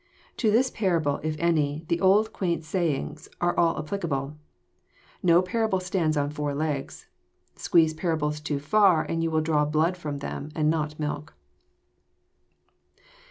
To this parable, if any, the old quaint sayings are applicable :<* No parable stands on four legs." — "Squeeze parables too far, and you will draw blood trom them, and not milk."